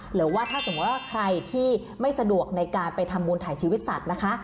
หรือว่าถ้าสมมุติว่าใครที่ไม่สะดวกในการไปทำบุญถ่ายชีวิตสัตว์นะคะ